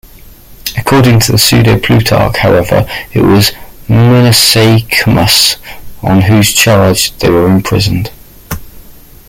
According to the Pseudo-Plutarch, however, it was Menesaechmus on whose charge they were imprisoned.